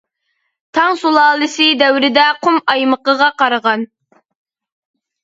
تاڭ سۇلالىسى دەۋرىدە قۇم ئايمىقىغا قارىغان.